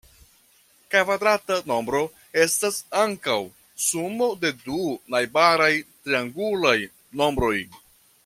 Kvadrata nombro estas ankaŭ sumo de du najbaraj triangulaj nombroj.